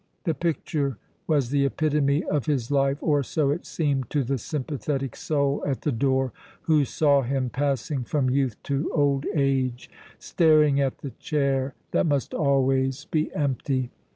The picture was the epitome of his life, or so it seemed to the sympathetic soul at the door, who saw him passing from youth to old age, staring at the chair that must always be empty.